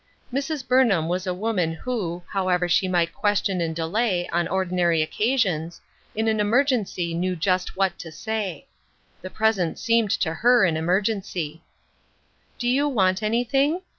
Mrs. Burnham was a woman who, however she might question and delay, on ordinary occasions, in an emergency knew just what to say. The present seemed to her an emergency. " Do you want anything